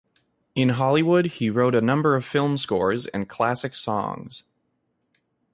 In Hollywood he wrote a number of film scores and classic songs.